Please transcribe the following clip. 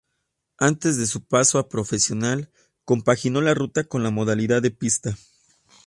Antes de su paso a profesional compaginó la ruta con la modalidad de pista.